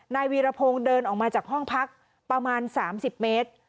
วีรพงศ์เดินออกมาจากห้องพักประมาณ๓๐เมตร